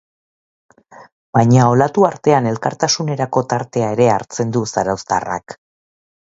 Baina olatu artean elkartasunerako tartea ere hartzen du zarauztarrak.